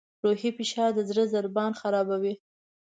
روحي فشار د زړه ضربان خرابوي.